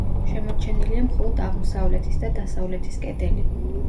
შემორჩენილია მხოლოდ აღმოსავლეთის და დასავლეთის კედელი.